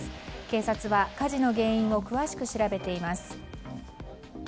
警察は火事の原因を詳しく調べています。